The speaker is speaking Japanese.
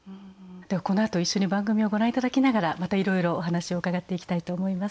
ではこのあと一緒に番組をご覧頂きながらまたいろいろお話を伺っていきたいと思います。